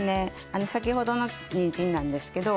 あの先ほどのにんじんなんですけど。